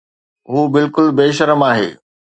هو بلڪل بي شرم آهي